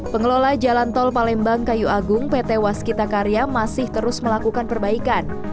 pengelola jalan tol palembang kayu agung pt waskita karya masih terus melakukan perbaikan